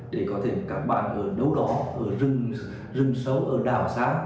để có thể các bạn ở đâu đó ở rừng xấu ở đảo xá